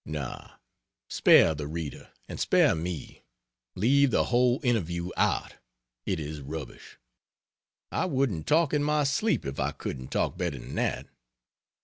No; spare the reader, and spare me; leave the whole interview out; it is rubbish. I wouldn't talk in my sleep if I couldn't talk better than that.